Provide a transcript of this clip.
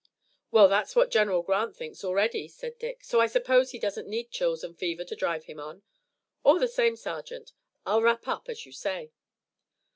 "Well, that's what General Grant thinks already," said Dick; "so I suppose he doesn't need chills and fever to drive him on. All the same, Sergeant, I'll wrap up as you say."